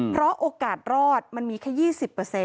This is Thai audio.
เพราะโอกาสรอดมันมีแค่๒๐